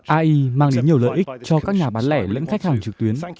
ai mang đến nhiều lợi ích cho các nhà bán lẻ lẫn khách hàng trực tuyến